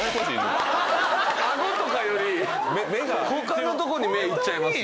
顎とかより他のとこに目行っちゃいますよ。